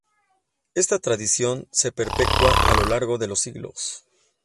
Esta tradición se perpetúa a lo largo de los siglos.